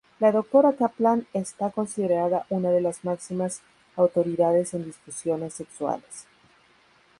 La doctora Kaplan está considerada una de las máximas autoridades en disfunciones sexuales.